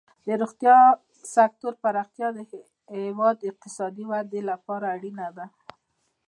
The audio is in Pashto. د روغتیا سکتور پراختیا د هیواد د اقتصادي ودې لپاره اړینه ده.